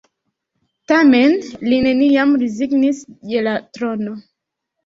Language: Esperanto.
Tamen li neniam rezignis je la trono.